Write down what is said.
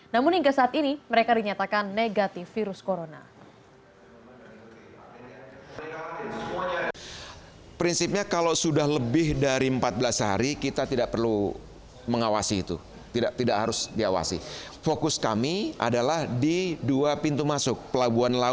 namun hingga saat ini mereka dinyatakan negatif virus corona